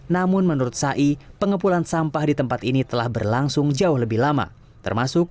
namun menurut sai pengepulan sampah di tempat ini telah berlangsung jauh lebih lama termasuk